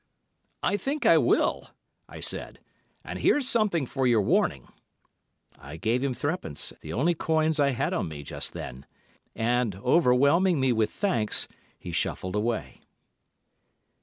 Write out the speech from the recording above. "I think I will," I said; "and here's something for your warning." I gave him threepence, the only coins I had on me just then, and, overwhelming me with thanks, he shuffled away.